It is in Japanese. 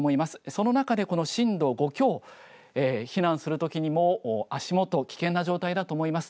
その中でこの震度５強避難するときにも足元、危険な状態だと思います。